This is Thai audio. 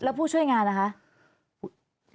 แล้วผู้ช่วยงานนะคะ